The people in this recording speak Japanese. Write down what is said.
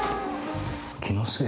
気のせい？